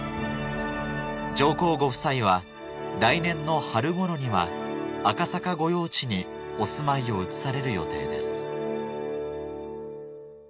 上皇ご夫妻は来年の春頃には赤坂御用地にお住まいを移される予定です